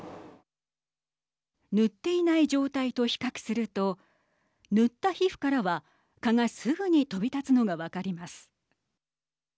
塗っていない状態と比較すると塗った皮膚からは蚊がすぐに飛び立つのが分かります。